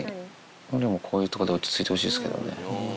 のりもこういう所で落ち着いてほしいっすけどね。